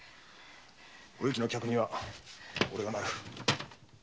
お雪の客にはおれがなる！